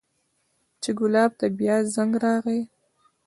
چې ګلاب ته بيا زنګ راغى.